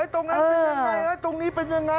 ตรงนั้นเป็นยังไงตรงนี้เป็นยังไง